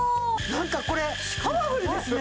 なんかこれパワフルですね。